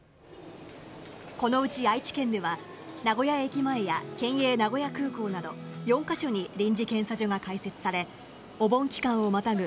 このうち、愛知県では名古屋駅前や県営名古屋空港など４カ所に臨時検査所が開設されお盆期間をまたぐ